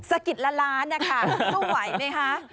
สะกิดละล้านนะคะเขาไหวไหมคะ